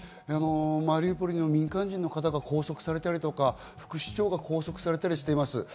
マリウポリの民間人の方が拘束されたり副市長が拘束されたりしています。